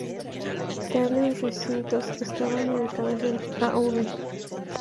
Tales recintos estaban ubicados en Av.